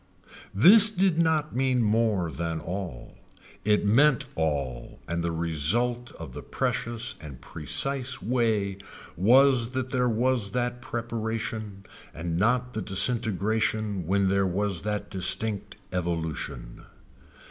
This did not mean more than all. It meant all and the result of the precious and precise way was that there was that preparation and not the disintegration when there was that distinct evolution.